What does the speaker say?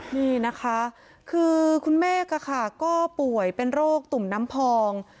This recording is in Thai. นี่นะคะคือคุณเมฆก็ป่วยเป็นโรคตุ่มน้ำพอง